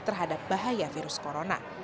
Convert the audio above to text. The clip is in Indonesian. terhadap bahaya virus corona